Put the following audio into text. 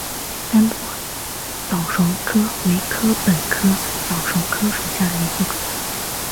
甘波早熟禾为禾本科早熟禾属下的一个种。